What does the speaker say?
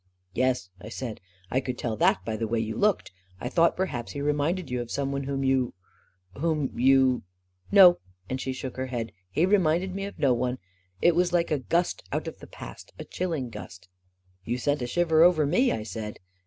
44 Yes," I said ;" I could tell that by the way you looked. I thought perhaps he reminded you of some one whom you — whom you ..." 44 No," and she shook her head. " He reminded me of no one. It was like a gust out of the past — a chilling gust." 44 You sent a shiver over me," I said.